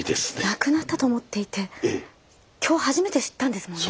亡くなったと思っていて今日初めて知ったんですもんね？